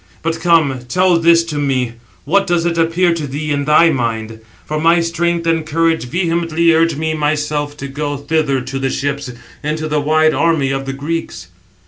But come, tell this to me, what does it appear to thee in thy mind? For my strength and courage vehemently urge me myself to go thither to the ships, into the wide army of the Greeks."